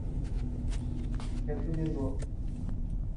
সেতু দীর্ঘ।